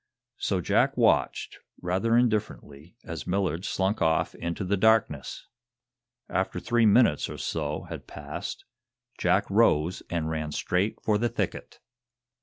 So Jack watched, rather indifferently, as Millard slunk off into the darkness. After three minutes or so had passed, Jack rose and ran straight for the thicket.